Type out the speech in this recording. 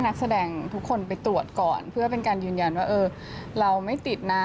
นักแสดงทุกคนไปตรวจก่อนเพื่อเป็นการยืนยันว่าเออเราไม่ติดนะ